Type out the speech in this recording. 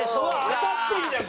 当たってるじゃん。